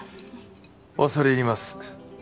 恐れ入ります。